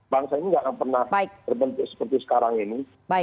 bangsa ini nggak akan pernah terbentuk seperti sekarang ini